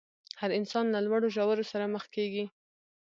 هر انسان له لوړو ژورو سره مخ کېږي.